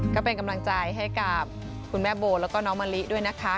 ก็เป็นกำลังใจให้กับคุณแม่โบแล้วก็น้องมะลิด้วยนะคะ